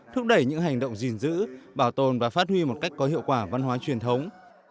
thúc đẩy những hành động gìn giữ bảo tồn và phát huy một cách có hiệu quả văn hóa truyền thống